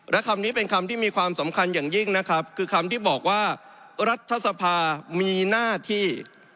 และคำนี้เป็นคำที่มีความสำคัญอย่างยิ่งนะครับคือคำที่บอกว่ารัฐสภามีหน้าที่